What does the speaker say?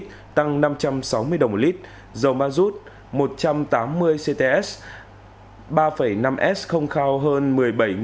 các mặt hàng dầu tăng ở mức thấp hơn hai mươi một hai trăm sáu mươi sáu đồng một lít tăng năm trăm sáu mươi đồng một lít dầu ma rút một trăm tám mươi cts ba năm s không cao hơn một mươi bảy chín mươi chín đồng một kg